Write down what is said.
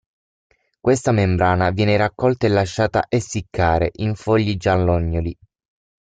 Questa membrana viene raccolta e lasciata essiccare in fogli giallognoli.